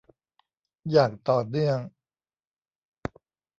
อย่างต่อเนื่อง